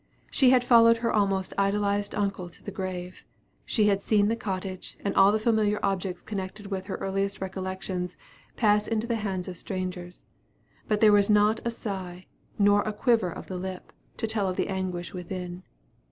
She had followed her almost idolized uncle to the grave; she had seen the cottage, and all the familiar objects connected with her earliest recollections, pass into the hands of strangers; but there was not a sigh, nor a quiver of the lip, to tell of the anguish within.